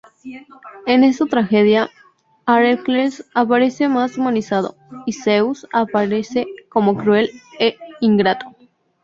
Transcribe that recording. En esta tragedia, Heracles aparece más humanizado, y Zeus aparece como cruel e ingrato.